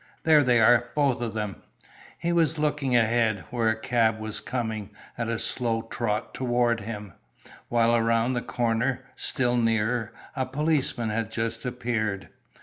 "There they are, both of them." He was looking ahead, where a cab was coming at a slow trot toward him, while around the corner, still nearer, a policeman had just appeared.